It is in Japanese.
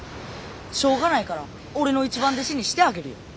しょうがないから俺の一番弟子にしてあげるよ。